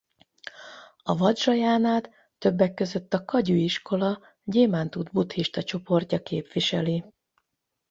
A vadzsrajánát többek között a kagyü iskola gyémánt út buddhista csoportja képviseli.